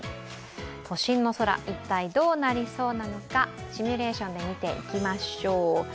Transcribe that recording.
都心の空、一体どうなりそうなのかシミュレーションで見ていきましょう。